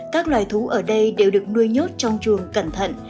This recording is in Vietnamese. các loài thú ở đây đều được nuôi nhốt trong chuồng cẩn thận